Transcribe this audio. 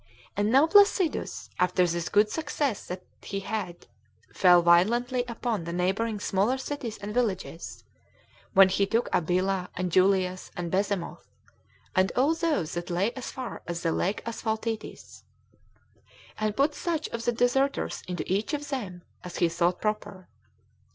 And now Placidus, after this good success that he had, fell violently upon the neighboring smaller cities and villages; when he took Abila, and Julias, and Bezemoth, and all those that lay as far as the lake Asphaltites, and put such of the deserters into each of them as he thought proper.